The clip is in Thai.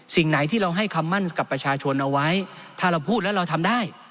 สิ่งไหนที่เราให้คำมั่นกับประชาชนเอาไว้ถ้าเราพูดแล้วเราทำได้